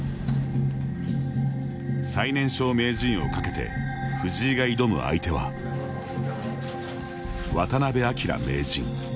最年少名人をかけて藤井が挑む相手は渡辺明名人。